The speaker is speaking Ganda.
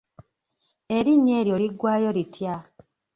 Erinnya eryo liggwaayo litya?